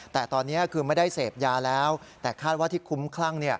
แต่ตอนนี้คือไม่ได้เสพยาแล้วแต่คาดว่าที่คุ้มคลั่ง